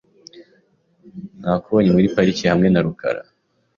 Nakubonye muri parike hamwe na rukara .